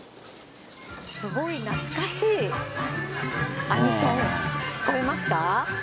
すごい懐かしいアニソン、去年ですね？